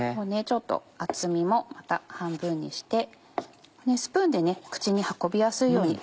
ちょっと厚みもまた半分にしてスプーンで口に運びやすいように。